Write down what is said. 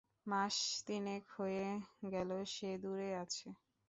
মাস তিনেক হয়ে গেল সে দূরে আছে।